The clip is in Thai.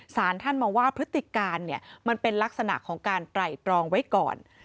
สารท่านมองว่าพฤติการเนี่ยมันเป็นลักษณะของการไตรตรองไว้ก่อน